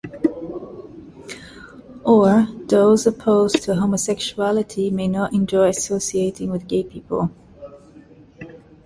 Or, those opposed to homosexuality may not enjoy associating with gay people.